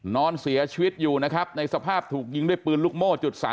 นอนเสียชีวิตอยู่นะครับในสภาพถูกยิงด้วยปืนลูกโม่จุด๓๓